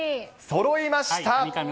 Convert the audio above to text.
そろいました。